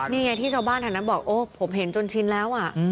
นี่ไงที่ชาวบ้านแถวนั้นบอกโอ้ผมเห็นจนชินแล้ว